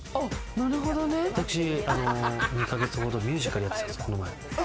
私、２か月ほどミュージカルやっていたんです、この前。